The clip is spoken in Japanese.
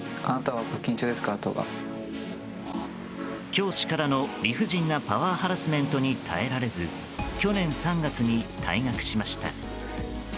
教師からの理不尽なパワーハラスメントに耐えられず去年３月に退学しました。